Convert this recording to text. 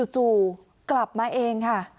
จู่กลับมาเองค่ะ